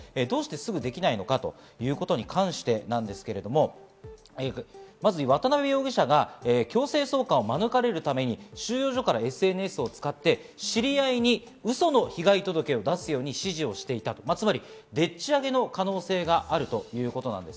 どうしてすぐできないのか？ということに関してなんですが、渡辺容疑者が強制送還を免れるために収容所からＳＮＳを使って知り合いにウソの被害届を出すように指示していた、つまり、でっちあげの可能性があるということです。